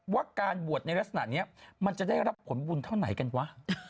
ว่าการบวชในลักษณะนี้มันจะได้รับผลบุญเท่าไหนกันวะ